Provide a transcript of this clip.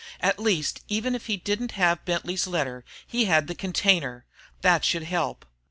At least, even if he didn't have Bentley's letter, he had the container. That should help.